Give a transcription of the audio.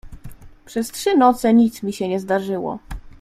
"Przez trzy noce nic mi się nie zdarzyło."